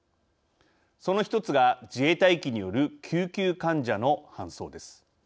その１つが、自衛隊機による救急患者の搬送です。